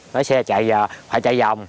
lái xe chạy giờ phải chạy vòng